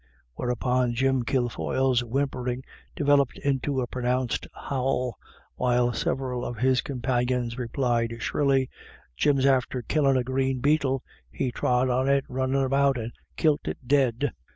Whereupon Jim Kilfoyle's whimpering developed into a pronounced howl, while several of his com panions replied shrilly : "Jim's after killin' a green beetle — he trod on it runnin' about and kilt it dead."